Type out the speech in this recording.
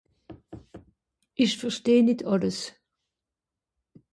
esch versteh nìt àlles